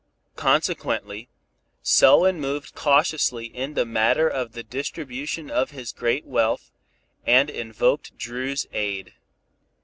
Consequently, Selwyn moved cautiously in the matter of the distribution of his great wealth, and invoked Dru's aid.